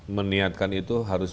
meniatkan itu harus